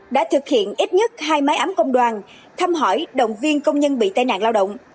đã thực hiện ít nhất hai máy ấm công đoàn thăm hỏi động viên công nhân bị tai nạn lao động